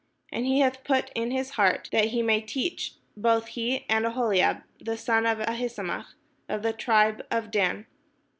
And he hath put in his heart that he may teach, both he, and Aholiab, the son of Ahisamach, of the tribe of Dan.